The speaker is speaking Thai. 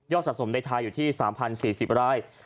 ยอดสะสมใดทายอยู่ที่๓๐๔๐ราย